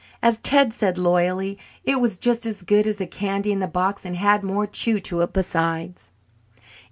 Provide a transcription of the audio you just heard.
As Ted said loyally, "It was just as good as the candy in the box and had more 'chew' to it besides."